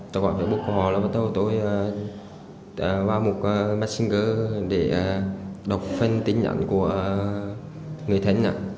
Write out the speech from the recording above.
tôi gọi facebook của họ là tôi tôi vào một messenger để đọc phần tính nhận của người thân